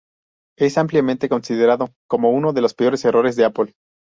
Es ampliamente considerado como uno de los peores errores de Apple.